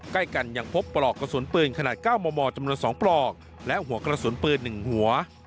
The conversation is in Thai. ใกล้กันยังพบปลอกกระสุนปืนขนาด๙มมจำนวน๒ปลอกและหัวกระสุนปืน๑หัว